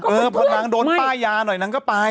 เออพอดหลังโดนป้ายยาน่อยนั้นก็ไป